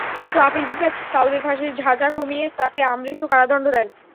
কিন্তু আপিল বিভাগ সাঈদীর ফাঁসির সাজা কমিয়ে তাঁকে আমৃত্যু কারাদণ্ড দেন।